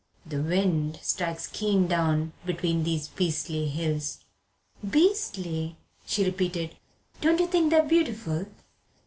"The wind strikes keen down between these beastly hills." "Beastly?" she repeated. "Don't you think they're beautiful?"